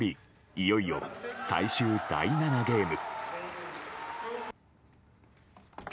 いよいよ最終第７ゲーム。